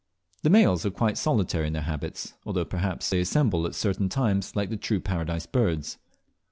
The males are quite solitary in their habits, although, perhaps, they assemble at pertain times like the true Paradise Birds.